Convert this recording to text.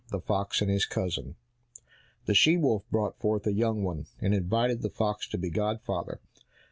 74 The Fox and His Cousin The she wolf brought forth a young one, and invited the fox to be godfather.